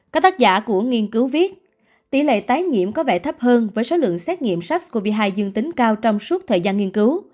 các tác giả của nghiên cứu viết tỷ lệ tái nhiễm có vẻ thấp hơn với số lượng xét nghiệm sars cov hai dương tính cao trong suốt thời gian nghiên cứu